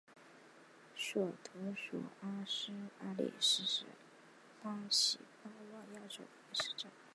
索图索阿里斯是巴西巴伊亚州的一个市镇。